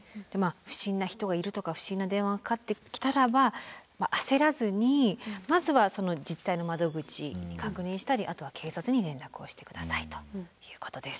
不審な人がいるとか不審な電話がかかってきたらば焦らずにまずは自治体の窓口に確認したりあとは警察に連絡をして下さいということです。